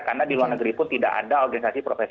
karena di luar negeri pun tidak ada organisasi profesi